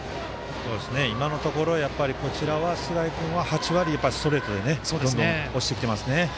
今のところ、菅井君は８割、ストレートでどんどん押してきていますね。